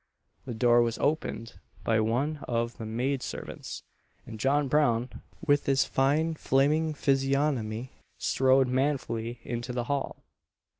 The door was opened by one of the maid servants, and John Brown, with his fine flaming physiognomy, strode manfully into the hall.